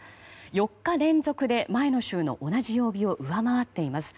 ４日連続で前の週の同じ曜日を上回っています。